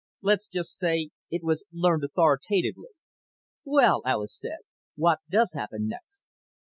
Let's just say it was learned authoritatively." "Well," Alis said, "what does happen next?"